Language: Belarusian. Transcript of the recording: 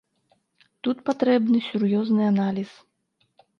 Тут патрэбны сур'ёзны аналіз.